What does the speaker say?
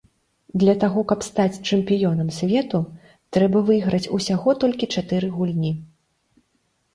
Для таго каб стаць чэмпіёнам свету, трэба выйграць усяго толькі чатыры гульні.